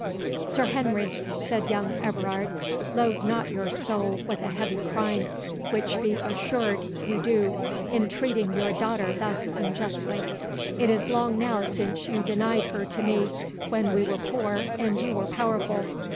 "Sir Henry," said young Everard, "load not your soul with a heavy crime, which be assured you do, in treating your daughter thus unjustly. It is long now since you denied her to me, when we were poor and you were powerful.